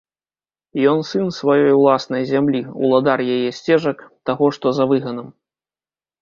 Ён сын сваёй уласнай зямлі, уладар яе сцежак, таго, што за выганам.